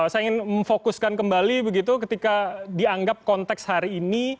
saya ingin memfokuskan kembali begitu ketika dianggap konteks hari ini